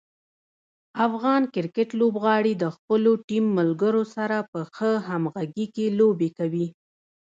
افغان کرکټ لوبغاړي د خپلو ټیم ملګرو سره په ښه همغږي کې لوبې کوي.